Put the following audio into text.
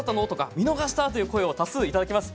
見逃した！という反響を多数いただきます。